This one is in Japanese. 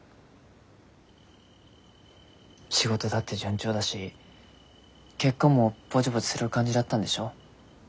仕事だって順調だし結婚もぼちぼちする感じだったんでしょ？